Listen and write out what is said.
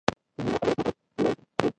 زما خبرو ته غوږ نيولی و.